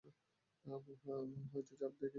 আপনার হয়তো চাপ দেয়নি।